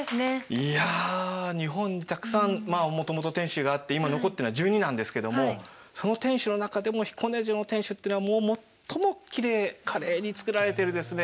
いや日本にたくさんまあもともと天守があって今残ってるのは１２なんですけどもその天守の中でも彦根城の天守っていうのはもう最もきれい華麗に造られてるですね